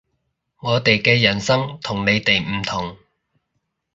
我哋嘅人生同你哋唔同